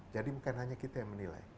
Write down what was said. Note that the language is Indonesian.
jadi bukan hanya kita yang menilai